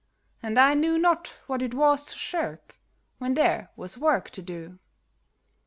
And I knew not w^hat it was to shirk when there was work to do.